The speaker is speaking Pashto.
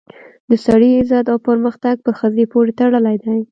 د سړي عزت او پرمختګ په ښځې پورې تړلی دی